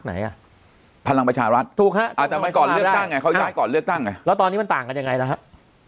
ไหนอ่ะพลังประชารัฐถูกแล้วตอนนี้มันต่างกันยังไงนะครับ